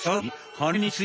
はい！